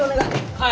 はい。